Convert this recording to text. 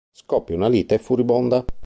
Scoppia una lite furibonda.